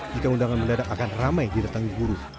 jika undangan mendadak akan ramai di datang guru